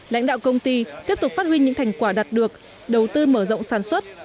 lãnh đạo công ty tiếp tục phát huy những thành quả đạt được đầu tư mở rộng sản xuất